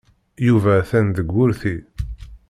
Yuba atan deg wurti.